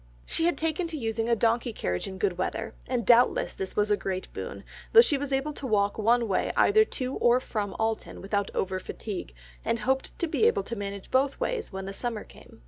She had taken to using a donkey carriage in good weather, and doubtless this was a great boon, though she was able to walk one way either to or from Alton without over fatigue, and hoped to be able to manage both ways when the summer came.